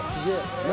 何？